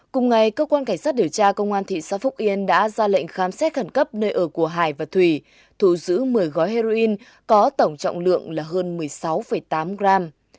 cùng ngày cơ quan cảnh sát điều tra công an thị xã phúc yên đã ra lệnh khám xét khẩn cấp nơi ở của hải và thủy thù giữ một mươi gói heroin có tổng trọng lượng là hơn một mươi sáu tám gram